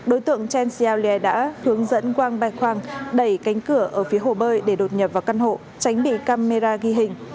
ông chen xiaolie đã hướng dẫn wang baikwang đẩy cánh cửa ở phía hồ bơi để đột nhập vào căn hộ tránh bị camera ghi hình